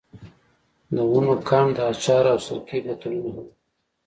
د ونو کنډ، د اچارو او سرکې بوتلونه هم وو.